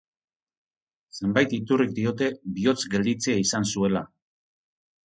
Zenbait iturrik diote bihotz-gelditzea izan zuela.